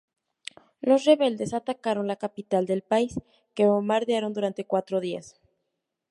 Los rebeldes atacaron la capital del país, que bombardearon durante cuatro días.